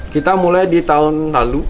kita mulai di tahun lalu